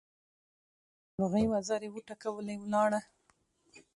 مرغۍ وزرې وټکولې؛ ولاړه.